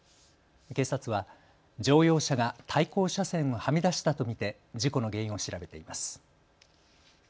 警察は乗用車が対向車線にはみ出したと見て事故の原因を調べています。